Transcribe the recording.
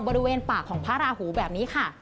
บริเวณปากของพระราหูแบบนี้ค่ะ